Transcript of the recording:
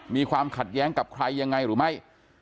มีความขัดแย้งกับใครยังไงหรือไม่